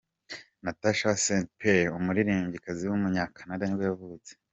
Natasha St-Pier, umuririmbyikazi w’umunya-Canada nibwo yavutse.